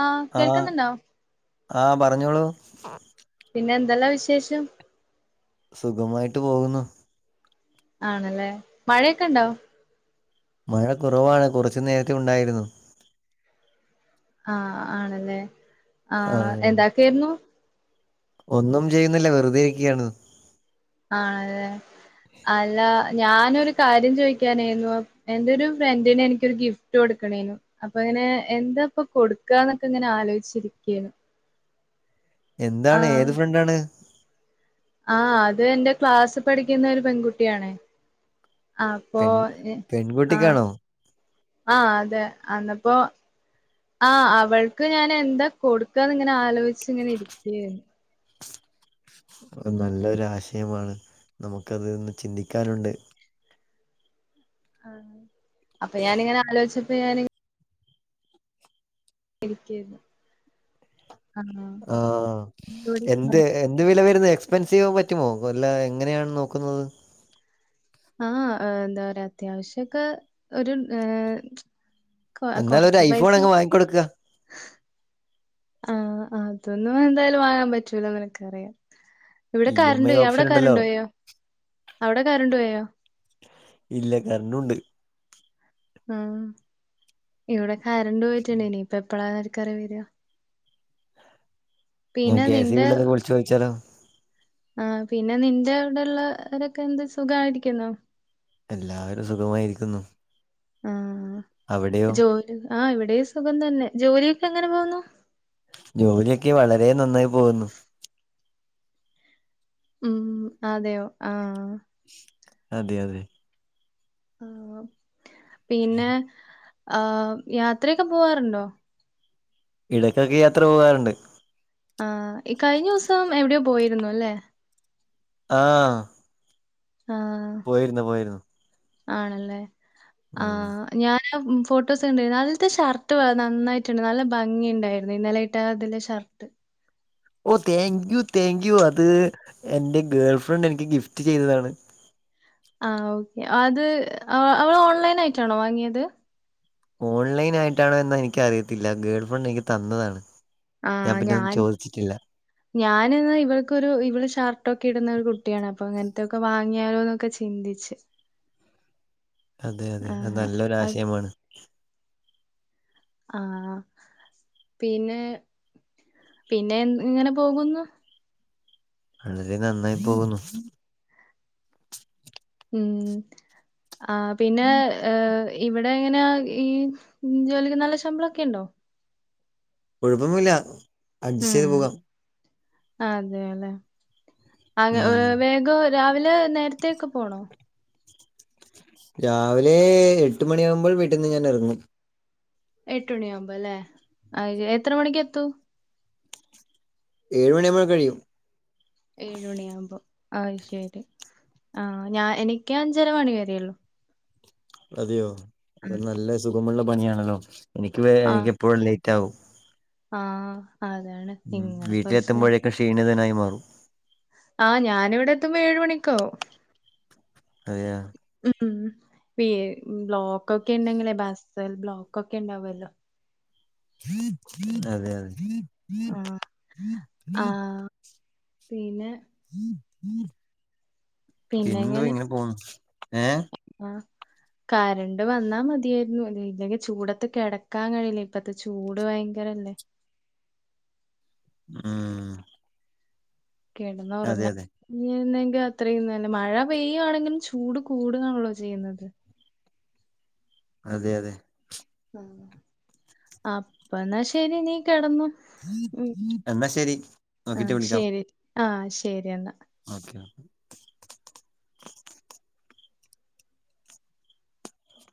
ആഹ് കേൾക്കുന്നുണ്ടോ ആഹ് പറഞ്ഞോളൂ പിന്നെ എന്തല്ലാ വിശേഷം. സുഖമായിട്ട് പോകുന്നു. ആണല്ലേ മഴയൊക്കെ ഇണ്ടോ? മഴ കുറവാണ് കുറച്ചു നേരത്തെ ഉണ്ടായിരുന്നു. ആഹ് ആണല്ലേ ആ ആണ് എന്താക്കായിരുന്നു? ഒന്നും ചെയ്യുന്നില്ല വെറുതെ ഇരിക്കിയാണ്. ആണല്ലേ അല്ല ഞാനൊരു കാര്യം ചോയിക്കാനായിരുന്നു. എന്റൊരു ഫ്രണ്ടിന് എനിക്കൊരു ഗിഫ്റ്റ് കൊടുക്കണേനു. അപ്പൊങ്ങനെ എന്താ ഇപ്പോ കൊടുക്കാന്നൊക്കെ ഇങ്ങനെ ആലോചിച്ചിരിക്കാനു. എന്താണ് ഏത് ഫ്രണ്ടാണ്? ആഹ് അത് എന്റെ ക്ലാസിൽ പഠിക്കുന്ന ഒരു പെൺകുട്ടിയണേ. അപ്പോ പെൺ ആഹ് പെൺകുട്ടിക്കാണോ ആഹ് അതെ എന്നപ്പോ. ആഹ് അവൾക്ക് ഞാൻ എന്താ കൊടുക്കാന്ന് ഇങ്ങനെ ആലോചിച്ച് ഇങ്ങനെ ഇരിക്കായിരുന്നു. നല്ലൊരു ആശയമാണ്, നമുക്കതൊന്ന് ചിന്തിക്കാനുണ്ട്. ആ അപ്പോ ഞാനിങ്ങനെ ആലോചിച്ചപ്പോ ഞാന് ഇരിക്കായിരുന്നു. ആഹ് ആഹ് ഇവിടെ എന്ത് എന്ത് വില വരുന്ന എക്സ്പെൻസീവ് പറ്റുമോ അല്ല എങ്ങനെയാണ് നോക്കുന്നത്. ആഹ് എന്താറിയാ അത്യാവശ്യക്കെ ഒരു ഏഹ് കൊ എന്നാലൊരു കൊറച്ച് ഐ ഫോൺ പൈസ അങ്ങ് വാങ്ങി കൊടുക്ക. ആഹ് അതൊന്നും എന്തായാലും വാങ്ങാൻ പറ്റൂല നിനക്ക് അറിയാം. ഇവിടെ ഇ എം കരണ്ട് ഐ പോയ്, അവിടെ ഓപ്ഷൻ ഉണ്ടല്ലോ കരണ്ട് പോയോ, അവിടെ കരണ്ട് പോയോ? ഇല്ല കരണ്ടുണ്ട്. ഉം ഇവിടെ കരണ്ട് പോയിട്ടുണ്ട്, ഇനിയിപ്പ എപ്പളാ ആർക്കറിയാ വര ഞാൻ പിന്നെ കെ സി ബി നിന്റെ യിൽ ഒന്ന് വിളിച്ച് ചോദിച്ചാലോ. ആഹ് പിന്നെ നിന്റെ അവിടെള്ള ഒരൊക്കെ എന്ത് സുഖമായിരിക്കുന്നോ. എല്ലാവരും സുഖമായിരിക്കുന്നു. ആഹ് അവിടെയോ? ജോലി ആഹ് ഇവിടെയും സുഖം തന്നെ ജോലിയൊക്കെ എങ്ങനെ പോകുന്നു. ജോലിയൊക്കെ വളരെ നന്നായി പോകുന്നു. ഉം അതെയോ ആഹ് അതെ അതെ. ആ പിന്നെ ആഹ് യാത്രയൊക്കെ പോവാറുണ്ടോ? ഇടയ്ക്കൊക്കെ യാത്ര പോകാറുണ്ട്. ആഹ്‌ ഈ കഴിഞ്ഞ ദിവസം എവിടെയോ പോയിരുന്നു അല്ലേ? ആഹ്. ആഹ്. പോയിരുന്നു പോയിരുന്നു. ആണല്ലേ ഉം ആഹ് ഞാൻ ആഹ് ഫോട്ടോസ് കണ്ടാരുന്നു. നല്ല ഷർട്ട് വ നന്നായിട്ടുണ്ട്. നല്ല ഭംഗി ഉണ്ടായിരുന്നു ഇന്നലെ ഇട്ട അതില് shirt oh thank you thank you അത് എന്റെ ഗേൾ ഫ്രണ്ട് എനിക്ക് ഗിഫ്റ്റ് ചെയ്തതാണ്. ആഹ് ഓക്കെ അത് അവള് ഓൺലൈൻ ആയിട്ടാണോ വാങ്ങിയത്. ഓൺലൈൻ ആയിട്ടാണോ എന്ന് എനിക്ക് അറിയത്തില്ല, ഗേൾ ഫ്രണ്ട് എനിക്ക് തന്നതാണ്. ആഹ് പിന്നെ ഒന്നും ഞാൻ ചോദിച്ചിട്ടില്ല ഞാന് ന്നാ ഇവൾക്കൊരു ഇവള് ഷർട്ട് ഒക്കെ ഇടുന്നൊരു കുട്ടിയാണ്, അപ്പോ അങ്ങനത്തെക്കെ വാങ്ങിയാലോന്നൊക്കെ ചി ചിന്തിച്ച് അതെ അതെ അത് ആഹ് നല്ലൊരു അത് ആശയമാണ്. ആഹ് പിന്നെ പിന്നെ എങ്ങനെ പോകുന്നു. വളരെ നന്നായി പോകുന്നു. ഉം ആഹ് പിന്നെ, ഏഹ് ഇവിടെ എങ്ങനെ ഈ ജോലിക്ക് നല്ല ശമ്പളക്കെണ്ടോ കുഴപ്പമില്ല അഡ്ജസ്റ്റ് യ്ത് പോകാം അതെല്ലേ അ ഉം വേഗോ രാവിലെ നേരത്തേക്കെ പോണോ രാവിലെ എട്ട് മണിയാകുമ്പോൾ വീട്ടിൽന്ന് ഞാൻ ഇറങ്ങും എട്ട് മണിയാുമ്പോല്ലേ അഹ് എത്ര മണിക്ക് എത്തൂ ഏഴ്മണിയാഉമ്പോ കഴിഴും ഏഴ മണിആകുമ്പോ ആഹ് ശരി ആഹ് ഞാൻ എനിക്ക് അഞ്ചര മണി വരേള്ളു അതെയോ അത് നല്ല സുഖമുള്ള പണിയാണല്ലോ എനിക്ക് ആഹ് എനിക്ക് എപ്പോഴും ലേറ്റ് ആകും ആഹ് അതാണ് ഉം നിങ്ങള് കൊറച്ച് വീട്ടിലെത്തുമ്പോഴേൊക്കെ ക്ഷീണിതനായി മാറും ആഹ് ഞാനിവിടെ എത്തുമ്പോ ഏഴ് മണിക്കാവു അതെയെ ഉംഉം പി ബ്ലോക്കൊക്കെ ഉണ്ടെങ്കിലേ ബസ്സ് ബ്ലോക്ക്ക്കെ ഉണ്ടാവല്ലോ അതെ അതെ ആഹ് ആഹ് പിന്നെ പിൻന്തോ പിന്നെങ്ങനെ ഇങ്ങനെ പോന്നു ഏഹ് ആഹ് കറണ്ട് വന്നാ മതിയായിരുന്നു ഇല്ലെങ്കിൽ ചൂടത്ത് കിടക്കാൻ കഴില്ലേ ഇപ്പത്തെ ചൂട് ഭയങ്കരല്ലേ ആഹ് അതെ കേടന്നുറങ്ങാൻ അതെ ഇനിയെന്നെങ്കിൽ അത്രയും തന്നെ മഴ പെയ്യുവാണെങ്കിലും ചൂട് കൂടുകാണല്ലോ ചെയ്യുന്നത് അതെ അതെ ഉം അപ്പ എന്നാ ശരി നീ കിടന്നോ എന്നാ ശരി നോക്കിട്ട് ആഹ് വിളിക്കാം ശരി ആഹ് ശരി എന്നാ ഓക്കെ